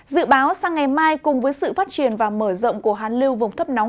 dự báo sang ngày mai cùng với sự phát triển và mở rộng của hàn lưu vùng thấp nóng